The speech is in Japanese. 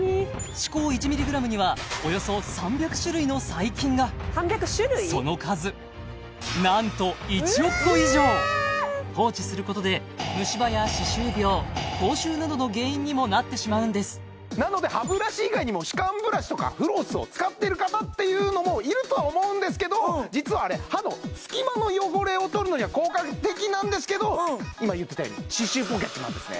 歯垢１ｍｇにはおよそ３００種類の細菌がその数なんと１億個以上放置することで虫歯や歯周病口臭などの原因にもなってしまうんですなので歯ブラシ以外にも歯間ブラシとかフロスを使っている方っていうのもいるとは思うんですけど実はあれ歯の隙間の汚れを取るのには効果的なんですけど今言ってたように歯周ポケットなんですね